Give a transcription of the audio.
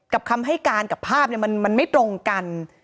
กับคำให้การกับภาพเนี่ยมันไม่ตรงกัน